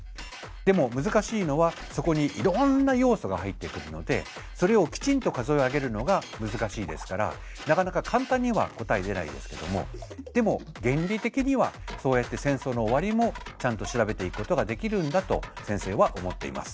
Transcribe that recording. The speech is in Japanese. でも難しいのはそこにいろんな要素が入ってくるのでそれをきちんと数え上げるのが難しいですからなかなか簡単には答え出ないですけどもでも原理的にはそうやって戦争の終わりもちゃんと調べていくことができるんだと先生は思っています。